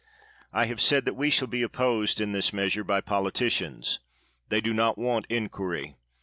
I have said that we shall be opposed in this meas ure by politicians; they do not want inquiry.